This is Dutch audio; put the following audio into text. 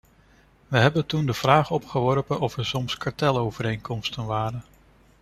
We hebben toen de vraag opgeworpen of er soms kartelovereenkomsten waren.